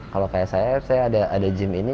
kalau kayak saya saya ada gym ini